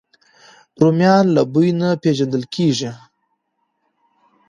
رومیان له بوی نه پېژندل کېږي